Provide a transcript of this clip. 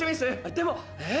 でもえっ？